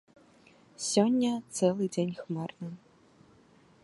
Сёння цэлы дзень хмарна.